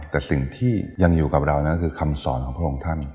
แต่สิ่งที่ยังอยู่กับเรานั่นคือคำสอนของพระองค์ท่าน